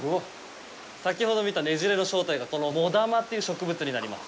先ほど見たねじれの正体がこのモダマという植物になります。